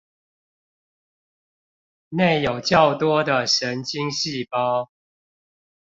內有較多的神經細胞